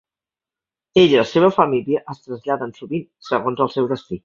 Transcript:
Ell i la seva família es traslladen sovint, segons el seu destí.